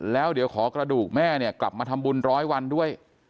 แล้วเดี๋ยวขอกระดูกแม่เนี่ยกลับมาทำบุญร้อยวันด้วย